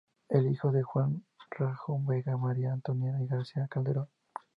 Hijo de Juan del Rallo Vega y María Antonia García Calderón.